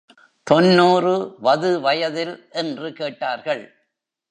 தொன்னூறு வது வயதில்? என்று கேட்டார்கள்.